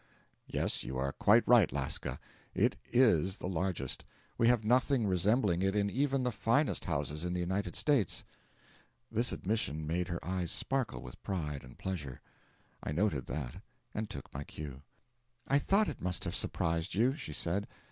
'Yes, you are quite right, Lasca; it is the largest; we have nothing resembling it in even the finest houses in the United States.' This admission made her eyes sparkle with pride and pleasure. I noted that, and took my cue. 'I thought it must have surprised you,' she said.